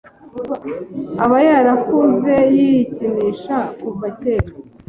aba yarakuze yikinisha kuva kera